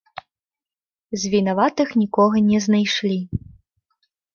З вінаватых нікога не знайшлі.